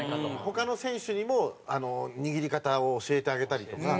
他の選手にも握り方を教えてあげたりとか。